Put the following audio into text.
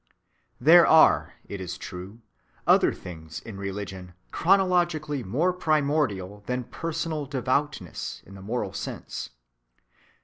There are, it is true, other things in religion chronologically more primordial than personal devoutness in the moral sense.